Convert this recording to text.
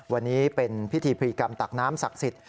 วันนี้เป็นพิธีพรีกรรมตักน้ำศักดิ์สิทธิ